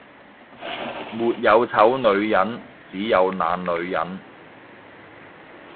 沒有醜女人，只有懶女人